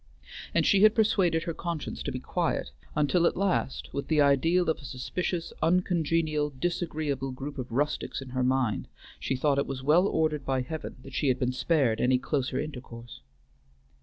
And she had persuaded her conscience to be quiet, until at last, with the ideal of a suspicious, uncongenial, disagreeable group of rustics in her mind, she thought it was well ordered by Heaven that she had been spared any closer intercourse.